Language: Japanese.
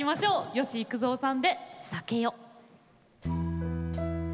吉幾三さんで「酒よ」。